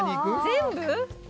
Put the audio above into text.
「全部？」